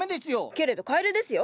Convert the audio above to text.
けれどカエルですよ？